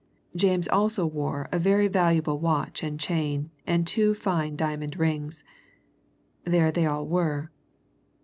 James also wore a very valuable watch and chain and two fine diamond rings; there they all were.